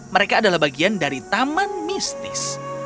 mereka adalah bagian dari taman mistis